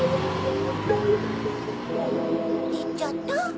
いっちゃった。